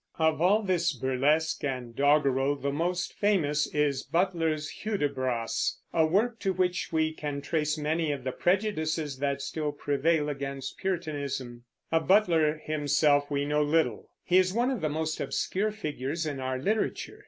Of all this burlesque and doggerel the most famous is Butler's Hudibras, a work to which we can trace many of the prejudices that still prevail against Puritanism. Of Butler himself we know little; he is one of the most obscure figures in our literature.